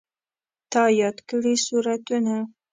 تا یاد کړي سورتونه